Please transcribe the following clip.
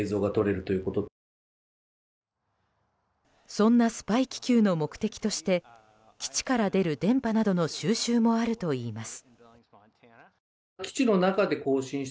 そんなスパイ気球の目的として基地から出る電波などの収集もあるといいます。